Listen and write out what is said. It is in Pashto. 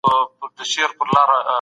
دوی د خپلو موخو له پاره مبارزه کوله.